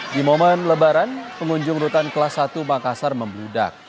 di momen lebaran pengunjung rutan kelas satu makassar membludak